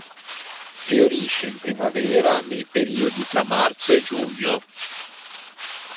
Fiorisce in primavera nei periodi tra marzo e giugno.